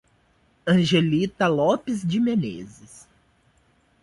Angelita Lopes de Menezes